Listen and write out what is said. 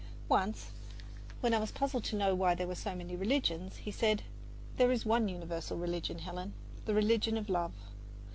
Once, when I was puzzled to know why there were so many religions, he said: "There is one universal religion, Helen the religion of love.